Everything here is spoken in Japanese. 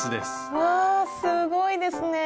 うわすごいですね！